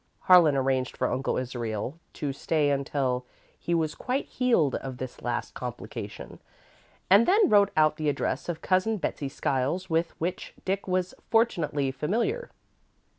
Harlan arranged for Uncle Israel to stay until he was quite healed of this last complication, and then wrote out the address of Cousin Betsey Skiles, with which Dick was fortunately familiar.